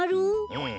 うん。